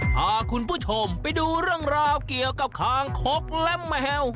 พาคุณผู้ชมไปดูเรื่องราวเกี่ยวกับคางคกและแมว